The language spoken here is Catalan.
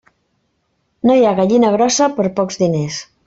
No hi ha gallina grossa per pocs diners.